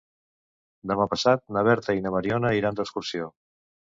Demà passat na Berta i na Mariona iran d'excursió.